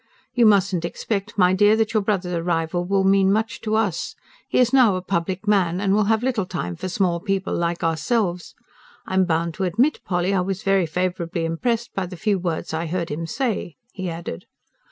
"You mustn't expect, my dear, that your brother's arrival will mean much to us. He is now a public man, and will have little time for small people like ourselves. I'm bound to admit, Polly, I was very favourably impressed by the few words I heard him say," he added.